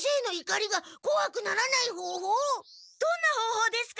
どんな方法ですか？